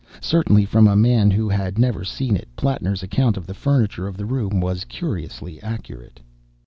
Certainly, from a man who had never seen it, Plattner's account of the furniture of the room was curiously accurate.